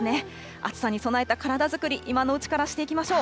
暑さに備えた体作り、今のうちからしていきましょう。